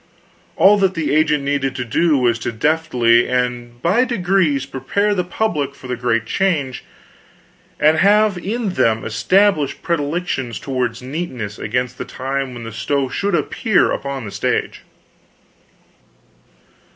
All that the agent needed to do was to deftly and by degrees prepare the public for the great change, and have them established in predilections toward neatness against the time when the stove should appear upon the stage.